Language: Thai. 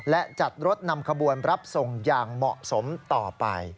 และจัดรถนำขบวนรับส่งอย่างเหมาะสมต่อไป